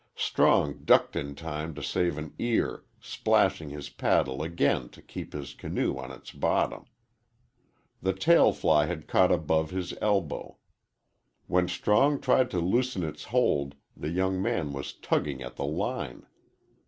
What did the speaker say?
Strong ducked in time to save an ear, splashing his paddle again to keep the canoe on its bottom. The tail fly had caught above his elbow. When Strong tried to loosen its hold the young man was tugging at the line.